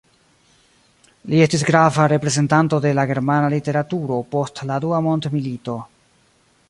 Li estis grava reprezentanto de la germana literaturo post la Dua mondmilito.